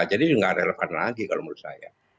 jadi gak relevan lagi kalau menurut saya